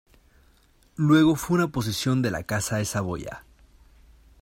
Luego fue una posesión de la Casa de Saboya.